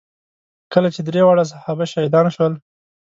کله چې درې واړه صحابه شهیدان شول.